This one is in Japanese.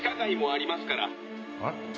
あっ？